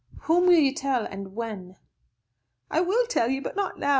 "Whom will you tell, and when?" "I will tell you, but not now.